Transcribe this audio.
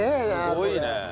すごいね！